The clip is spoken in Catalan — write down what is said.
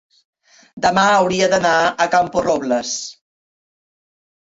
Demà hauria d'anar a Camporrobles.